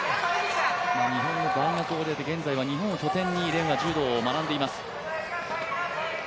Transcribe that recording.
日本の大学を出て、現在は日本を拠点に連は柔道を学んでいます。